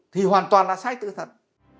thì hoàn toàn là sai tự thật